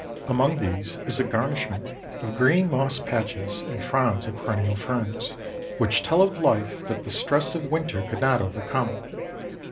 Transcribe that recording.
Among these is a garnishment of green moss patches and fronds of perennial ferns which tell of life that the stress of winter could not overcome.